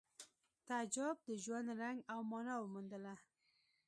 تعجب د ژوند رنګ او مانا وموندله